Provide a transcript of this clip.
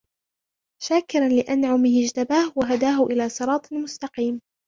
شاكرا لأنعمه اجتباه وهداه إلى صراط مستقيم